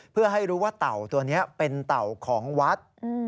เพื่อให้รู้ว่าเต่าตัวนี้เป็นเต่าของวัด